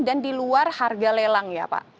dan di luar harga lelang ya pak